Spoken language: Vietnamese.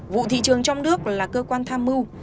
vụ thị trường trong nước là cơ quan tham mưu